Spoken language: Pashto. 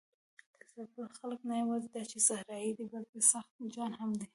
د سرپل خلک نه یواځې دا چې صحرايي دي، بلکې سخت جان هم دي.